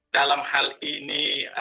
dalam hal ini